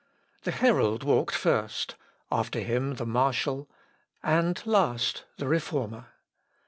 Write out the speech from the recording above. The herald walked first, after him the marshal, and last the Reformer.